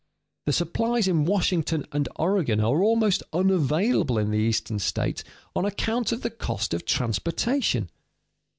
The supplies in Washington and Oregon are almost unavailable in the Eastern states on account of the cost of transportation.